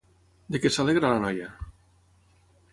De què s'alegra la noia?